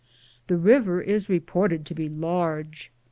This river is reported to be large.